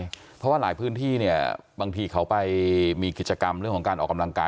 เพราะว่าหลายพื้นที่เนี่ยบางทีเขาไปมีกิจกรรมเรื่องของการออกกำลังกาย